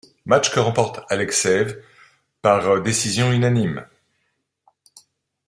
Match que remporte Alekseev par décision unanime.